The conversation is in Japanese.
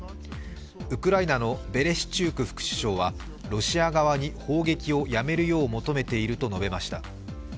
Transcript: ウクライナのベレシチューク副首相はロシア側に砲撃をやめるよう求めていると述べました。